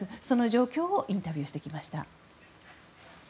その状況をインタビューしてきました。